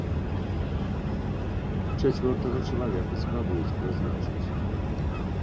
Чацвёртага чалавека спрабуюць прызначыць.